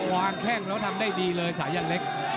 มาวางแค่งแล้วทำได้ดีเลยสายยันเล็ก